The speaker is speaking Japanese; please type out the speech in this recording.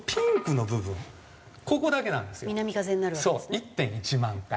１．１万回。